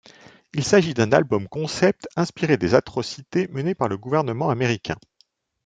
Il s'agit d'un album-concept inspiré des atrocités menées par le gouvernement américain.